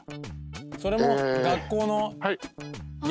それも学校の？